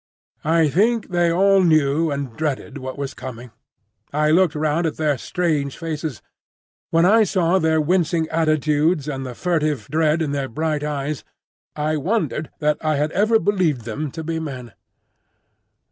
I think they all knew and dreaded what was coming. I looked round at their strange faces. When I saw their wincing attitudes and the furtive dread in their bright eyes, I wondered that I had ever believed them to be men.